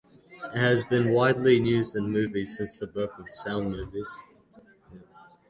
It has been widely used in movies since the birth of sound movies.